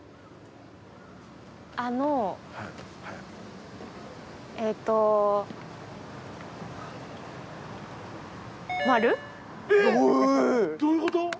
あの。えっと。